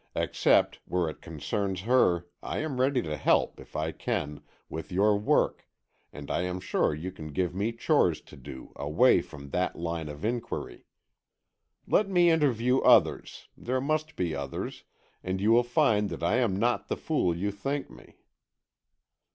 Except where it concerns her, I am ready to help, if I can, with your work, and I am sure you can give me chores to do, away from that line of inquiry. Let me interview others, there must be others, and you will find that I am not the fool you think me."